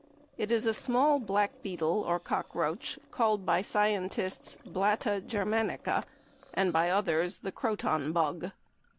It is a small black beetle or cockroach, called by scientists "Blatta germanica" and by others the "Croton Bug."